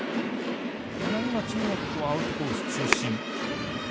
柳町にはアウトコース中心。